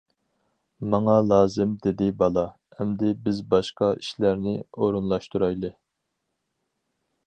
-ماڭا لازىم، -دېدى بالا، -ئەمدى بىز باشقا ئىشلارنى ئورۇنلاشتۇرايلى.